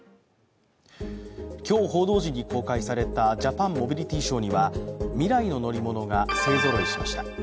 今日、報道陣に公開されたジャパンモビリティショーには未来の乗り物が勢ぞろいしました。